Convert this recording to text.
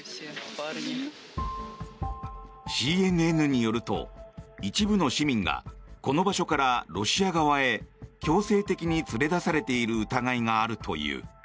ＣＮＮによると一部の市民がこの場所からロシア側へ強制的に連れ出されている疑いがあるという。